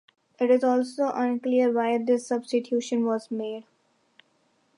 It is also unclear why this substitution was made.